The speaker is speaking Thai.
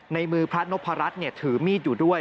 ในมือพระนพรัชถือมีดอยู่ด้วย